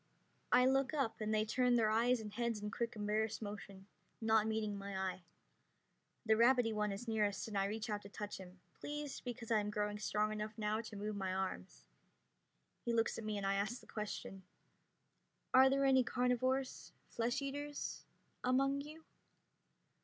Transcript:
I look up, and they turn their eyes and heads in quick embarrassed motion, not meeting my eye. The rabbity one is nearest and I reach out to touch him, pleased because I am growing strong enough now to move my arms. He looks at me and I ask the question: "Are there any carnivores flesh eaters among you?"